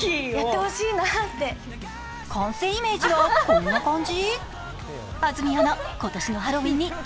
完成イメージはこんな感じ。